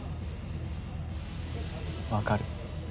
分かる。